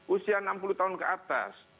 usia enam puluh tahun ke atas